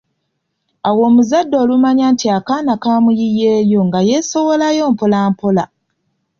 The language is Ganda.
Awo omuzadde olumanya nti akaana kamuyiyeeyo nga yeesowolayo mpola mpola.